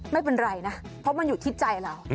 ไม่เป็นไรนะเพราะมันอยู่ที่ใจเรา